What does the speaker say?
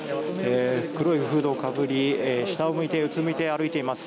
黒いフードをかぶり下を向いてうつむいて歩いています。